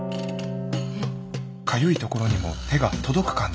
かゆいところにも手が届く感じで。